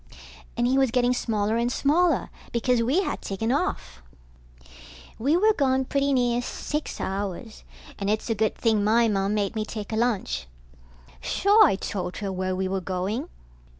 And he was getting smaller and smaller, because we had taken off. We were gone pretty near six hours, and it's a good thing my Mom made me take a lunch. Sure, I told her where we were going.